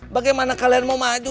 bagaimana kalian mau maju